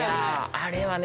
あれはね